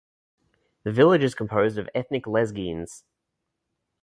The village is composed of ethnic Lezgins.